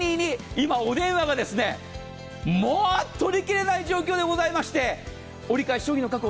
今、お電話がまあ、取り切れない状況でおりまして折り返し、商品の確保